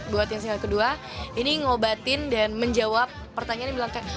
buat yang single kedua ini ngobatin dan menjawab pertanyaan yang bilang kayak